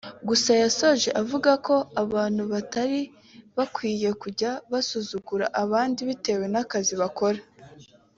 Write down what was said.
Gusa yasoje avuga ko abantu batari bakwiye kujya basuzugura abandi bitewe n’akazi bakora